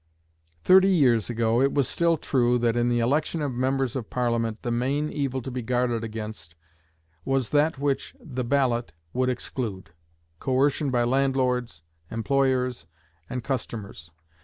"Thirty years ago it was still true that in the election of members of Parliament the main evil to be guarded against was that which the ballot would exclude coercion by landlords, employers, and customers.